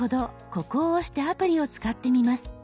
ここを押してアプリを使ってみます。